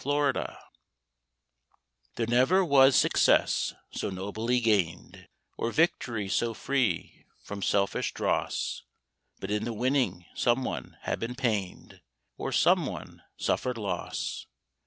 SUN SHADOWS There never was success so nobly gained, Or victory so free from selfish dross, But in the winning some one had been pained Or some one suffered loss.